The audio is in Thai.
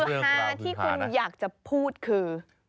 เรื่องคือฮาที่คุณอยากจะพูดคือ